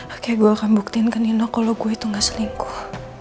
oke gue akan buktiin ke nino kalo gue itu gak selingkuh